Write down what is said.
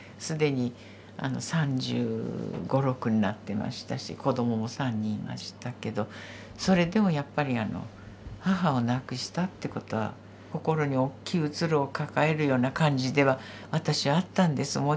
既に３５３６になってましたし子どもも３人いましたけどそれでもやっぱり母を亡くしたってことは心に大きい虚ろを抱えるような感じでは私はあったんです。